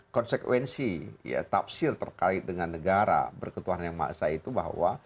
konsekuensi ya tafsir terkait dengan negara berketuhanan yang maksa itu bahwa